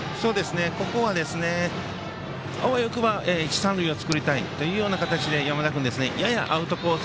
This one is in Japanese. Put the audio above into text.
ここは、あわよくば一、三塁を作りたい形で山田君ややアウトコース